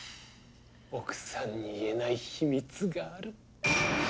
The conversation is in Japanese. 奥さんに言えない秘密がある。